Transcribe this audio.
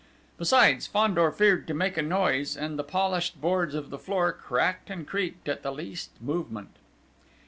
Besides, Fandor feared to make a noise, and the polished boards of the floor cracked and creaked at the least movement!